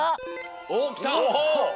おっきた。